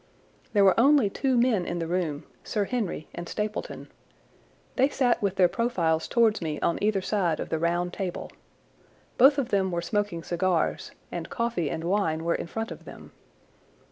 There were only two men in the room, Sir Henry and Stapleton. They sat with their profiles towards me on either side of the round table. Both of them were smoking cigars, and coffee and wine were in front of them.